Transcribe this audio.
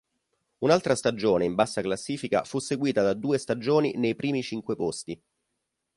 Un’altra stagione in bassa classifica fu seguita da due stagioni nei primi cinque posti.